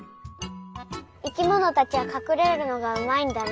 生きものたちはかくれるのがうまいんだなとおもった。